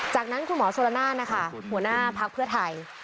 จากนั้นคุณหมอโชลนานนะคะหัวหน้าพักเพื่อไทย